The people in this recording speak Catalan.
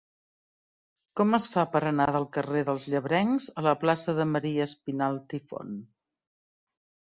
Com es fa per anar del carrer dels Llebrencs a la plaça de Maria Espinalt i Font?